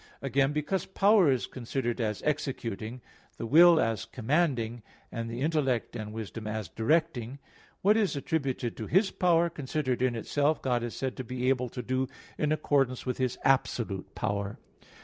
Again, because power is considered as executing, the will as commanding, and the intellect and wisdom as directing; what is attributed to His power considered in itself, God is said to be able to do in accordance with His absolute power.